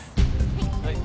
はい。